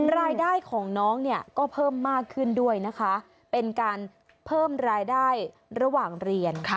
รายได้ของน้องเนี่ยก็เพิ่มมากขึ้นด้วยนะคะเป็นการเพิ่มรายได้ระหว่างเรียน